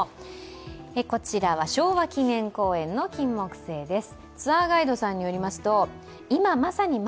こちらは昭和記念公園のキンモクセイです。